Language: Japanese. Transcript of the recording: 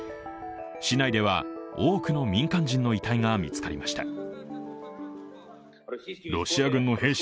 市内では多くの民間人の遺体が見つかりました。